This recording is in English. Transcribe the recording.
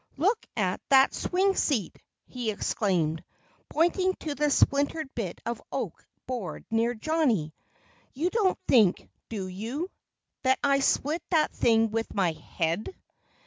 "Look at that swing seat!" he exclaimed, pointing to the splintered bit of oak board near Johnnie. "You don't think do you? that I split that thing with my head?"